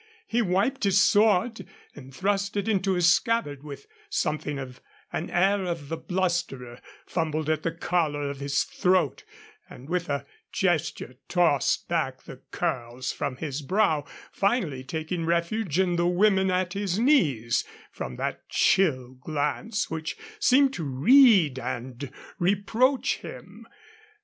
He wiped his sword and thrust it into its scabbard with something of an air of the blusterer, fumbled at the collar at his throat, and with a gesture tossed back the curls from his brow, finally taking refuge in the women at his knees from that chill glance which seemed to read and reproach him.